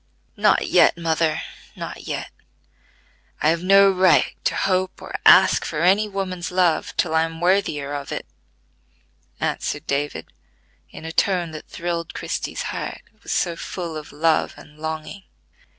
"Not yet, mother, not yet. I have no right to hope or ask for any woman's love till I am worthier of it," answered David in a tone that thrilled Christie's heart: it was so full of love and longing.